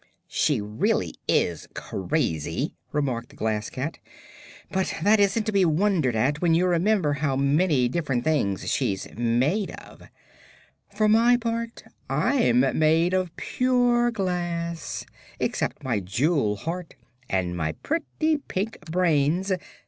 "She really is crazy," remarked the Glass Cat. "But that isn't to be wondered at when you remember how many different things she's made of. For my part, I'm made of pure glass except my jewel heart and my pretty pink brains.